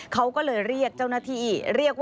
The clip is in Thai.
เขาก็เลยเรียกเจ้าหน้าที่